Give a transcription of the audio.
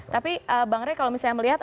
tapi bang ray kalau misalnya melihat